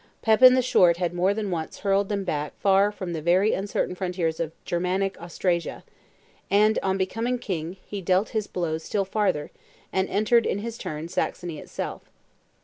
Pepin the Short had more than once hurled them back far from the very uncertain frontiers of Germanic Austrasia; and, on becoming king, he dealt his blows still farther, and entered, in his turn, Saxony itself.